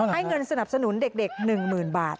ให้เงินสนับสนุนเด็กหนึ่งหมื่นบาท